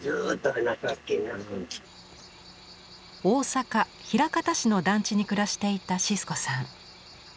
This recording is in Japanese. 大阪枚方市の団地に暮らしていたシスコさん。